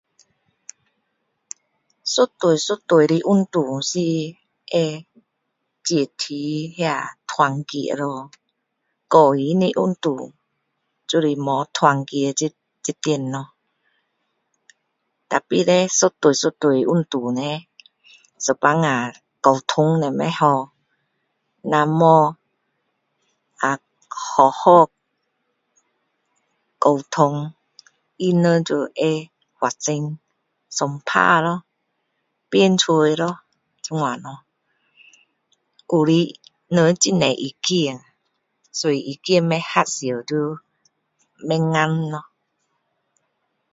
一对一对的运动是会提高团结咯个人的运动就是没有团结这点咯但是呢一对一对运动叻有时若沟通今天若没好好沟通他们就会发生打架咯辩嘴咯这样咯有些人他们很多意见所以意见不合是就不合咯